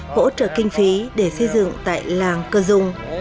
hỗ trợ kinh phí để xây dựng tại làng cơ dung